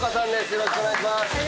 よろしくお願いします。